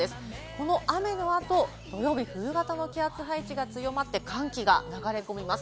この雨のあと、土曜日は冬型の気圧配置が強まって寒気が流れ込みます。